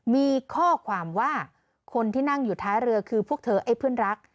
มีข้อความว่าคนที่นั่งอยู่ท้ายเรือคือพวกเธอไอ้เพื่อนรัก